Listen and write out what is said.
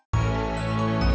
aduh susah susah